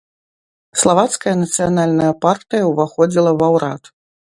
Славацкая нацыянальная партыя ўваходзіла ва ўрад.